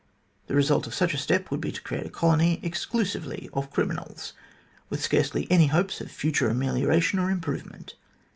The result of such a step would be to create a colony exclusively of criminals, with scarcely any hopes of future amelioration or improve ment.